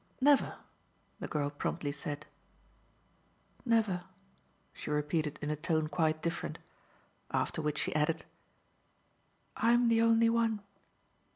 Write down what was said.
"Never," the girl promptly said. "Never," she repeated in a tone quite different. After which she added: "I'm the only one."